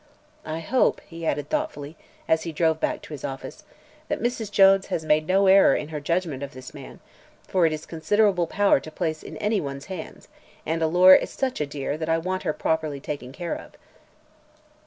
I hope," he added thoughtfully, as he drove back to his office, "that Mrs. Jones has made no error in her judgment of this man, for it is considerable power to place in anyone's hands and Alora is such a dear that I want her properly taken care of."